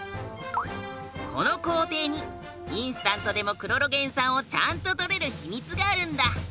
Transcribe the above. この工程にインスタントでもクロロゲン酸をちゃんととれる秘密があるんだ。